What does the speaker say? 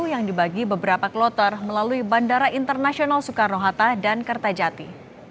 yang dibagi beberapa kloter melalui bandara internasional soekarno hatta dan kertajati